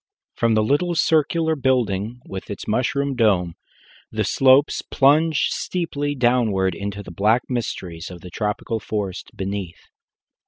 From the little circular building, with its mushroom dome, the slopes plunge steeply downward into the black mysteries of the tropical forest beneath.